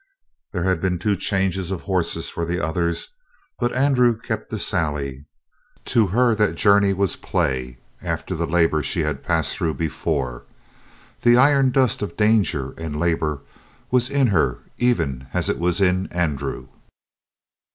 There had been two changes of horses for the others, but Andrew kept to Sally. To her that journey was play after the labor she had passed through before; the iron dust of danger and labor was in her even as it was in Andrew.